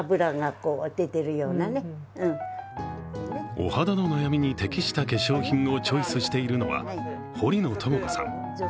お肌の悩みに適した化粧品をチョイスしているのは、堀野智子さん。